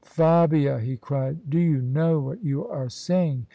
" Fabia," he cried, " do you know what you are saying?